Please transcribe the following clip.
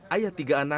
ayah tiga anaknya